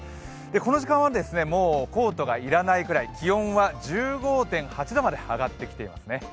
この時間はもうコートが要らないくらい、気温は１５．８度まで上がってきていますね。